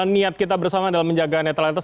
niat kita bersama adalah menjaga netral